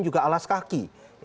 juga alas kaki